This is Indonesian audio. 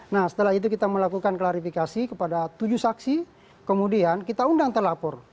nah setelah itu kita melakukan klarifikasi kepada tujuh saksi kemudian kita undang telapor